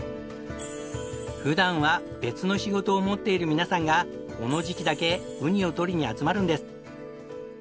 普段は別の仕事を持っている皆さんがこの時期だけウニを獲りに集まるんです。